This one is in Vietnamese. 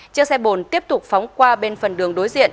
chiếc xe bồn tiếp tục phóng qua bên phần đường đối diện